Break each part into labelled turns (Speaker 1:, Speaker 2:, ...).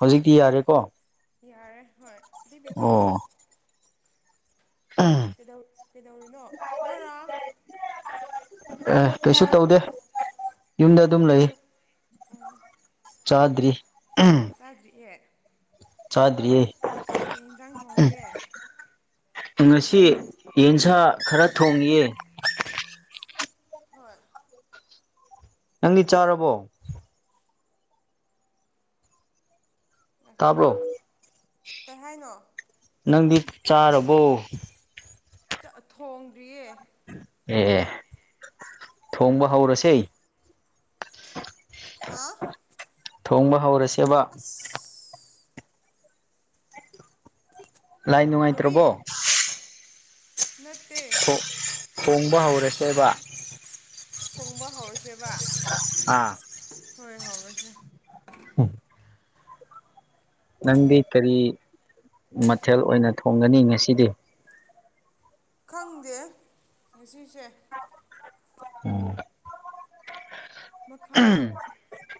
Speaker 1: ꯍꯧꯖꯤꯛꯇꯤ ꯌꯥꯔꯦꯀꯣ
Speaker 2: ꯌꯥꯔꯦ ꯍꯣꯏꯗꯤ ꯄꯀꯝ
Speaker 1: ꯑꯣ
Speaker 2: ꯀꯠ ꯀꯩꯗ ꯀꯩꯗꯧꯔꯤꯅꯣ ꯅꯣꯔ
Speaker 1: ꯑꯦ ꯀꯩꯁꯨ ꯇꯧꯗꯦ ꯌꯨꯝꯗ ꯑꯗꯨꯝ
Speaker 2: ꯆꯠ
Speaker 1: ꯂꯩ
Speaker 2: ꯆꯔꯣ ꯑ
Speaker 1: ꯆꯥꯗ꯭ꯔꯤ
Speaker 2: ꯆꯗ꯭ꯔꯤꯌꯦ
Speaker 1: ꯆꯥꯗꯔꯤꯌꯦ
Speaker 2: ꯀꯩ ꯌꯦꯟꯁꯥꯡ ꯊꯣꯡꯉꯒꯦ
Speaker 1: ꯉꯁꯤ ꯌꯦꯟꯁꯥ ꯈꯔ ꯊꯣꯡꯉꯌꯦ
Speaker 2: ꯍꯣꯏ
Speaker 1: ꯅꯪꯒꯤ ꯆꯥꯔꯕꯣ
Speaker 2: ꯉꯈꯣ ꯀꯣ
Speaker 1: ꯇꯥꯕ꯭ꯔꯣ
Speaker 2: ꯀꯩ ꯍꯥꯏꯅꯣ
Speaker 1: ꯅꯪꯗꯤ ꯆꯥꯔꯕꯣ
Speaker 2: ꯊꯣꯡꯗ꯭ꯔꯤꯌꯦ
Speaker 1: ꯑꯦ ꯊꯣꯡꯕ ꯍꯧꯔꯁꯦ
Speaker 2: ꯍꯥ
Speaker 1: ꯊꯣꯡꯕ ꯍꯧꯔꯁꯦꯕ
Speaker 2: ꯑꯁ
Speaker 1: ꯂꯥꯏ ꯅꯨꯡꯉꯥꯏꯇ꯭ꯔꯕꯣ
Speaker 2: ꯅꯇꯦ
Speaker 1: ꯝꯕ ꯍꯧꯔꯁꯦꯕ
Speaker 2: ꯊꯣꯡꯕ ꯍꯧꯔꯁꯦꯕ
Speaker 1: ꯑꯥ
Speaker 2: ꯍꯣꯏ ꯍꯧꯔꯁꯦ
Speaker 1: ꯎꯝ ꯅꯪꯗꯤ ꯀꯔꯤ ꯃꯊꯦꯜ ꯑꯣꯏꯅ ꯊꯣꯡꯒꯅꯤ ꯉꯁꯤꯗꯤ
Speaker 2: ꯈꯪꯗꯦ ꯉꯁꯤꯁꯦ
Speaker 1: ꯎꯝ
Speaker 2: ꯃꯈꯥꯗ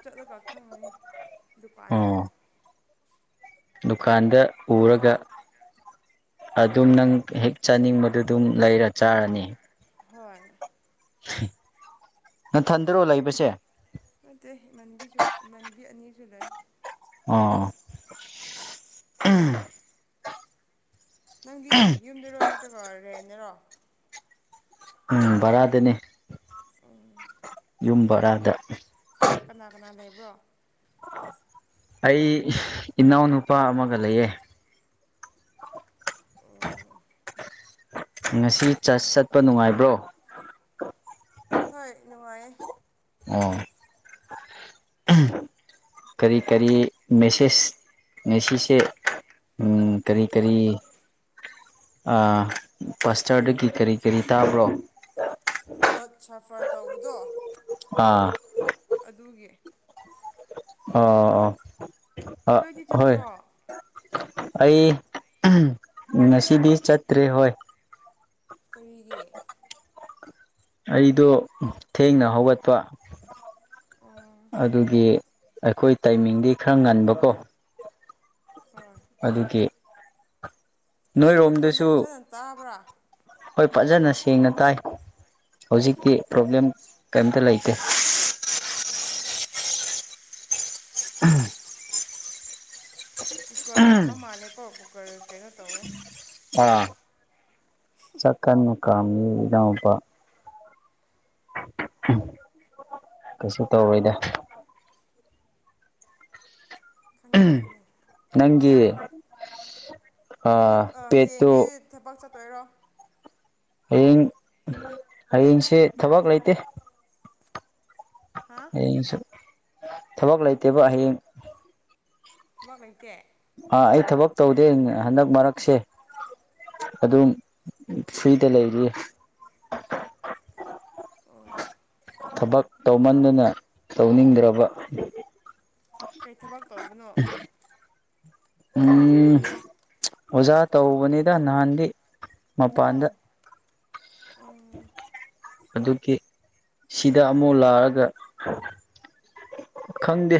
Speaker 2: ꯆꯠꯂꯒ ꯈꯪꯉꯅꯤ ꯗꯨꯀꯥꯟꯗ
Speaker 1: ꯑꯣ ꯗꯨꯀꯥꯟꯗ ꯎꯔꯒ ꯑꯗꯨꯝ ꯅꯪ ꯍꯦꯛ ꯆꯥꯅꯤꯡꯕꯗꯨ ꯑꯗꯨꯝ ꯂꯩꯔ ꯆꯥꯔꯅꯤ
Speaker 2: ꯍꯣꯏ
Speaker 1: ꯅꯊꯟꯗ꯭ꯔꯣ ꯂꯩꯕꯁꯦ
Speaker 2: ꯅꯠꯇꯦ ꯏꯃꯥꯟꯕꯤ ꯏꯃꯥꯟꯕꯤ ꯑꯅꯤ ꯖꯨꯂꯥꯏ
Speaker 1: ꯑꯣ
Speaker 2: ꯅꯪꯗꯤ ꯌꯨꯝꯗꯔꯣ ꯅꯠꯇ꯭ꯔꯒ ꯔꯦꯟꯅꯔꯣ
Speaker 1: ꯎꯝ ꯚꯔꯥ ꯑꯗꯨꯅꯤ
Speaker 2: ꯎꯝ
Speaker 1: ꯌꯨꯝ ꯕꯔꯥꯗ
Speaker 2: ꯀꯅꯥ ꯀꯅꯥ ꯂꯩꯕ꯭ꯔꯣ
Speaker 1: ꯑꯩ ꯏꯅꯥꯎꯅꯨꯄꯥ ꯑꯃꯒ ꯂꯩꯌꯦ ꯉꯁꯤ ꯆꯠꯄ ꯅꯨꯡꯉꯥꯏꯕ꯭ꯔꯣ
Speaker 2: ꯍꯣꯏ ꯅꯨꯡꯉꯥꯏ
Speaker 1: ꯑꯣ ꯀꯔꯤ ꯀꯔꯤ ꯃꯦꯁꯁ ꯃꯦꯁꯤꯖꯁꯦ ꯎꯝ ꯀꯔꯤ ꯀꯔꯤ ꯀꯁꯇꯔꯗꯒꯤ ꯀꯔꯤ ꯀꯔꯤ ꯇꯥꯕ꯭ꯔꯣ
Speaker 2: ꯅꯣꯠ ꯁꯥꯐꯔ ꯇꯧꯕꯗꯣ
Speaker 1: ꯑꯥ
Speaker 2: ꯑꯗꯨꯒꯤ
Speaker 1: ꯑꯣ ꯑ
Speaker 2: ꯅꯣꯏꯗꯤ
Speaker 1: ꯍꯣꯏ
Speaker 2: ꯆꯠꯇ꯭ꯔꯣ
Speaker 1: ꯑꯩ ꯉꯁꯤꯗꯤ ꯆꯠꯇ꯭ꯔꯦ ꯍꯣꯏ
Speaker 2: ꯀꯔꯤꯒꯤ
Speaker 1: ꯑꯩꯗꯣ ꯊꯦꯡꯅ ꯍꯧꯒꯠꯄ
Speaker 2: ꯑꯣ
Speaker 1: ꯑꯗꯨꯒꯤ ꯑꯩꯈꯣꯏ ꯇꯥꯏꯃꯤꯡꯗꯤ ꯈꯔ ꯉꯟꯕꯀꯣ
Speaker 2: ꯍꯣꯏ
Speaker 1: ꯑꯗꯨꯒꯤ
Speaker 2: ꯑꯩ ꯃꯈꯣꯟꯁꯦ
Speaker 1: ꯅꯣꯏꯔꯣꯝꯗꯁꯨ
Speaker 2: ꯐꯖꯅ ꯇꯥꯕ꯭ꯔꯥ
Speaker 1: ꯍꯣꯏ ꯐꯖꯟꯅꯁꯤ ꯁꯦꯡꯅ ꯇꯥꯏ ꯍꯧꯖꯤꯛꯇꯤ ꯄ꯭ꯔꯣꯕ꯭ꯂꯦꯝ ꯀꯔꯤꯝꯇ ꯂꯩꯇꯦ
Speaker 2: ꯑꯣ
Speaker 1: ꯎꯝ
Speaker 2: ꯀꯨꯀꯔ ꯀꯥꯝꯕ ꯃꯥꯜꯂꯦꯀꯣ ꯀꯨꯀꯔ ꯀꯩꯅꯣ ꯇꯧꯋꯦ
Speaker 1: ꯑꯥ ꯆꯀ ꯀꯥꯝꯃꯤ ꯏꯅꯥꯎꯄꯥ ꯀꯩꯁꯨ ꯇꯧꯔꯣꯏꯗ
Speaker 2: ꯈꯪꯉꯦ ꯈꯪꯉꯦ
Speaker 1: ꯀ
Speaker 2: ꯍꯌꯦꯡꯗꯤ ꯊꯕꯛ ꯆꯠꯇꯣꯏꯔꯣ
Speaker 1: ꯍꯌꯦꯡ ꯍꯌꯦꯡꯁꯦ ꯊꯕꯛ ꯂꯩꯇ
Speaker 2: ꯍꯥ
Speaker 1: ꯍꯌꯦꯡꯁꯨ ꯊꯕꯛ ꯂꯩꯇꯦꯕ ꯍꯌꯦꯡ
Speaker 2: ꯊꯃ ꯀꯩꯇꯦ
Speaker 1: ꯑ ꯑꯩ ꯊꯕꯛ ꯇꯧꯗꯦ ꯍꯟꯗꯛ ꯃꯔꯛꯁꯦ ꯑꯗꯨꯝ ꯐ꯭ꯔꯤꯗ ꯂꯩꯔꯤ
Speaker 2: ꯑ
Speaker 1: ꯊꯕꯛ ꯇꯧꯃꯟꯗꯨꯅ ꯇꯧꯅꯤꯡꯗ꯭ꯔꯕ
Speaker 2: ꯀꯩ ꯊꯕꯛ ꯇꯧꯕꯅꯣ
Speaker 1: ꯎꯝ ꯑꯣꯖꯥ ꯇꯧꯕꯅꯤꯗ ꯅꯍꯥꯟꯗꯤ
Speaker 2: ꯋꯥꯎ
Speaker 1: ꯃꯄꯥꯟꯗ
Speaker 2: ꯎꯝ
Speaker 1: ꯑꯗꯨꯒꯤ ꯁꯤꯗ ꯑꯃꯨꯛ ꯂꯥꯛꯑꯒ ꯈꯪꯗꯦ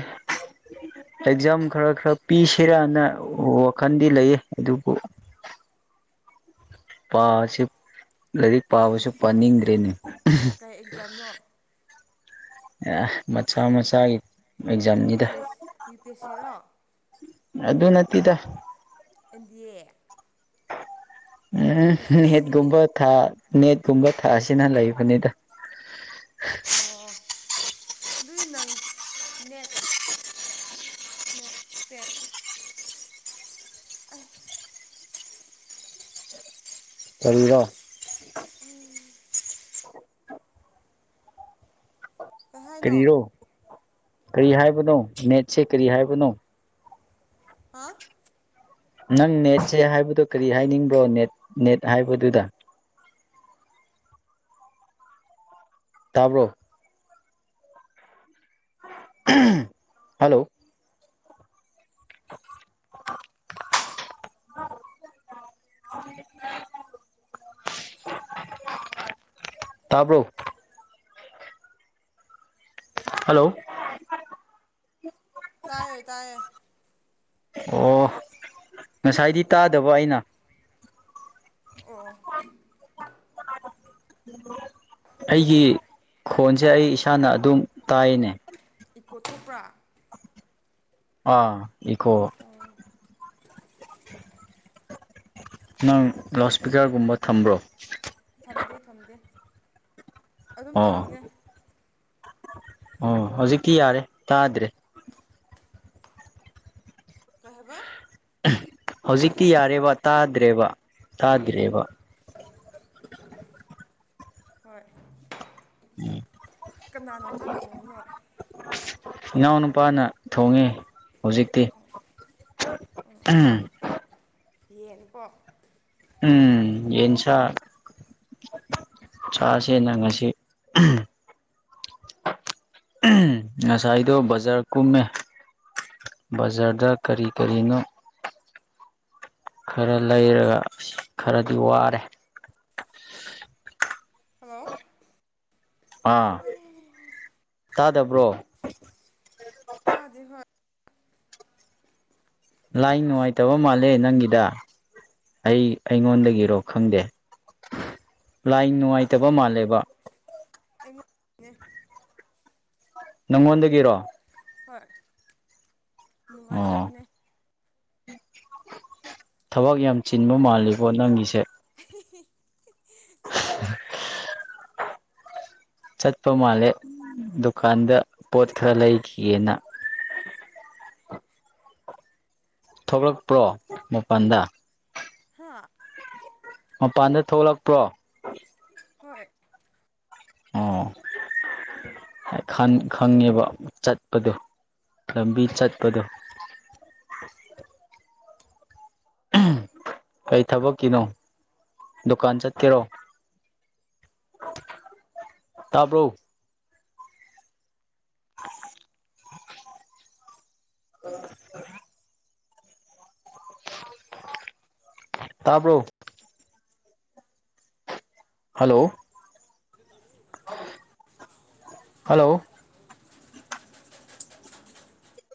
Speaker 1: ꯑꯦꯛꯖꯥꯝ ꯈꯔ ꯈꯔ ꯄꯤꯁꯤꯔꯅ ꯋꯥꯈꯜꯗꯤ ꯂꯩꯌꯦ ꯑꯗꯨꯕꯨ [unintelligible] ꯄꯥ ꯑꯁꯤ ꯂꯥꯏꯔꯤꯛ ꯄꯥꯕꯁꯨ ꯄꯥꯅꯤꯡꯗ꯭ꯔꯦꯅꯦ
Speaker 2: ꯀꯔꯤ ꯑꯦꯛꯖꯥꯝꯅꯣ
Speaker 1: ꯑ ꯃꯆꯥ ꯃꯆꯥꯒꯤ
Speaker 2: E
Speaker 1: ꯑꯦꯛꯖꯥꯝꯅꯤꯗ
Speaker 2: P S E P S ꯁꯤꯔꯣ
Speaker 1: ꯑꯗꯨ ꯑꯗꯨ ꯅꯠꯇꯗ
Speaker 2: ꯏꯟꯗꯤꯌꯦꯦ
Speaker 1: ꯎꯝ
Speaker 2: ꯁꯤ
Speaker 1: ꯅꯦꯠꯀꯨꯝꯕ ꯅꯦꯠꯀꯨꯝꯕ ꯊꯥꯁꯤꯅ ꯂꯩꯕꯅꯤꯗ
Speaker 2: ꯑꯣ ꯑꯗꯨꯏ ꯅꯪ ꯅ ꯃ ꯇꯦꯛ ꯑ
Speaker 1: ꯇꯟꯂ
Speaker 2: ꯀꯩ ꯍꯥꯏꯅꯣ
Speaker 1: ꯀꯔꯤꯔꯣ ꯀꯔꯤ ꯍꯥꯏꯕꯅꯣ ꯅꯦꯠꯁꯦ ꯀꯔꯤ ꯍꯥꯏꯕꯅꯣ
Speaker 2: ꯍꯥ
Speaker 1: ꯅꯪ ꯅꯦꯠꯁꯦ ꯍꯥꯏꯕꯗꯣ ꯀꯔꯤ ꯍꯥꯏꯅꯤꯡꯕ꯭ꯔꯣ ꯅꯦꯠ ꯅꯦꯠ ꯍꯥꯏꯕꯗꯨꯗ ꯇꯥꯕ꯭ꯔꯣ ꯍꯜꯂꯣ ꯇꯥꯕꯨꯛ ꯍꯜꯂꯣ
Speaker 2: ꯇꯥꯌꯦ ꯇꯥꯏꯌꯦ
Speaker 1: ꯑꯣ ꯉꯁꯥꯏꯗꯤ ꯇꯥꯗꯕ ꯑꯩꯅ
Speaker 2: ꯑꯣ
Speaker 1: ꯑꯩꯒꯤ ꯈꯣꯟꯁꯦ ꯑꯩ ꯏꯁꯥꯅ ꯑꯗꯨꯝ ꯇꯥꯏꯅꯦ
Speaker 2: ꯏꯀꯣꯇꯣꯄ꯭ꯔꯥ
Speaker 1: ꯑꯥ ꯏꯀꯣ ꯅꯪ ꯂꯥꯎꯠ ꯏꯁꯄꯤꯀꯔꯒꯨꯝꯕ ꯊꯝꯕ꯭ꯔꯣ
Speaker 2: ꯊꯝꯗꯦ ꯊꯝꯗꯦ ꯑꯗꯨꯝ
Speaker 1: ꯑꯣ
Speaker 2: ꯇꯧꯕꯅꯦ
Speaker 1: ꯑꯣ ꯍꯧꯖꯤꯛꯇꯤ ꯌꯥꯔꯦ ꯇꯥꯗ꯭ꯔꯦ
Speaker 2: ꯀꯩꯕ
Speaker 1: ꯍꯧꯖꯤꯛꯇꯤ ꯌꯥꯔꯦꯕ ꯇꯥꯗ꯭ꯔꯦꯕ ꯇꯥꯗ꯭ꯔꯦꯕ [inaudible]
Speaker 2: ꯍꯣꯏ ꯀꯅꯥꯅ ꯆꯥꯛ ꯊꯣꯡꯉꯨꯅꯣ
Speaker 1: ꯏꯅꯥꯎ ꯅꯨꯨꯄꯥꯅ ꯊꯣꯡꯉꯦ ꯍꯧꯖꯤꯛꯇꯤ ꯎꯝ
Speaker 2: ꯌꯦꯡꯀꯣ
Speaker 1: ꯎꯝ ꯌꯦꯟꯁ ꯆꯥꯁꯅꯪ ꯉꯁꯤ ꯉꯁꯥꯏꯗꯣ ꯕꯖꯥꯔ ꯀꯨꯝꯃꯦ ꯕꯖꯥꯔꯗ ꯀꯔꯤ ꯀꯔꯤꯅꯣ ꯈꯔ ꯂꯩꯔꯒ ꯈꯔꯗꯤ ꯋꯥꯔꯦ
Speaker 2: ꯍꯜꯂꯣ
Speaker 1: ꯑꯥ ꯇꯥꯗꯕ꯭ꯔꯣ
Speaker 2: ꯇꯥꯗꯦ ꯐꯦ
Speaker 1: ꯂꯥꯏ ꯅꯨꯡꯉꯥꯏꯇꯕ ꯃꯥꯜꯂꯦ ꯅꯪꯒꯤꯗ ꯑꯩ
Speaker 2: ꯀꯩ
Speaker 1: ꯑꯩꯉꯣꯟꯗꯒꯤꯔꯣ
Speaker 2: ꯍꯥꯏꯅꯣ
Speaker 1: ꯈꯪꯗꯦ ꯂꯥꯏ ꯅꯨꯡꯉꯥꯏꯇꯕ ꯃꯥꯜꯂꯦꯕ
Speaker 2: ꯑꯩꯉ
Speaker 1: ꯅꯪꯉꯣꯟꯗꯒꯤꯔꯣ
Speaker 2: ꯍꯣꯏ
Speaker 1: ꯑꯣ
Speaker 2: ꯅꯨꯡꯉꯥꯏꯇꯕꯅꯦ
Speaker 1: ꯊꯕꯛ ꯌꯥꯝ ꯆꯤꯟꯕ ꯃꯥꯜꯂꯤꯀꯣ ꯅꯪꯒꯤꯁꯦ
Speaker 2: [inaudible]
Speaker 1: [inaudible] ꯆꯠꯄ ꯃꯥꯜꯂꯦ ꯗꯨꯀꯥꯟꯗ ꯄꯣꯠ ꯈꯔ ꯂꯩꯈꯤꯒꯦꯅ [inaudible] ꯊꯣꯛꯂꯛꯄ꯭ꯔꯣ ꯃꯄꯥꯟꯗ
Speaker 2: ꯑ
Speaker 1: ꯃꯄꯥꯟꯗ ꯊꯣꯛꯂꯛꯄ꯭ꯔꯣ
Speaker 2: ꯍꯣꯏ
Speaker 1: ꯑꯣ ꯈꯪꯉꯦꯕ ꯆꯠꯄꯗꯣ ꯂꯝꯕꯤ ꯆꯠꯄꯗꯣ ꯀꯩ ꯊꯕꯛꯀꯤꯅꯣ ꯗꯨꯀꯥꯟ ꯆꯠꯀꯦꯔꯣ ꯇꯄꯣ ꯑꯣ ꯇꯄꯣ ꯍꯜꯂꯣ ꯍꯜꯂꯣ